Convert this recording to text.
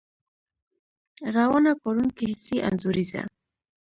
روانه، پارونکې، ، حسي، انځوريزه